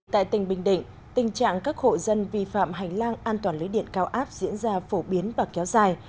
tại tỉnh bình định tình trạng các hộ dân vi phạm hành lang an toàn lưới điện cao áp diễn ra phổ biến và kéo dài